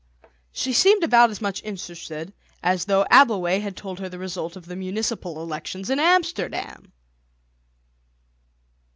She seemed about as much interested as though Abbleway had told her the result of the municipal elections in Amsterdam.